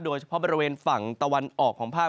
โดยเฉพาะบริเวณฝั่งตะวันออกของภาค